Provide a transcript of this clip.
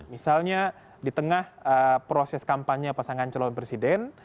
misalnya di tengah proses kampanye pasangan calon presiden